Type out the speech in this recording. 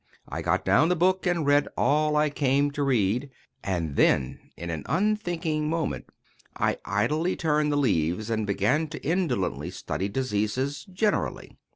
I got down the book, and read all I came to read; and then, in an unthinking moment, I idly turned the leaves, and began to indolently study diseases, generally.